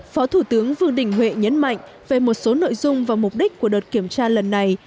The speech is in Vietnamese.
phó thủ tướng vương đình huệ nhấn mạnh về một số nội dung và mục đích của đợt kiểm tra lần này